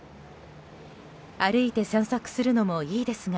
歩いて散策するのもいいですが